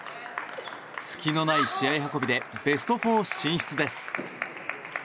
隙のない試合運びでベスト４進出です。